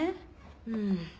うん。